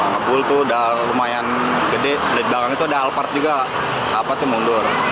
ngebul itu sudah lumayan gede di belakang itu ada alpart juga apa itu mundur